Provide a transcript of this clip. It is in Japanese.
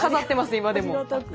今でも。